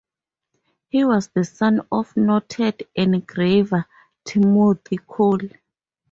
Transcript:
He was the son of noted engraver Timothy Cole.